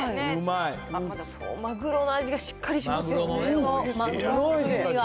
マグロの味がしっかりします